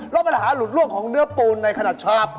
แล้วปัญหาหลุดล่วงของเนื้อปูนในขณะชาบ